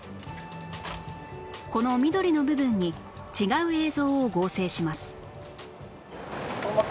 この緑の部分に違う映像を合成します